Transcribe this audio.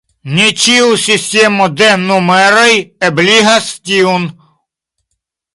Ne ĉiu sistemo de numeroj ebligas tiun.